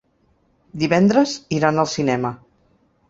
Divendres iran al cinema.